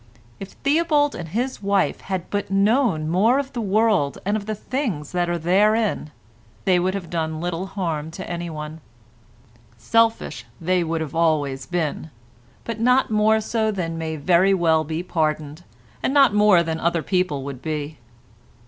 If Theobald and his wife had but known more of the world and of the things that are therein, they would have done little harm to anyone. Selfish they would have always been, but not more so than may very well be pardoned, and not more than other people would be.